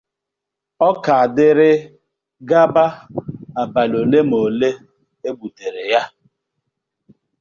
Ọka dịrị gaba abalị olemole e gbutere ya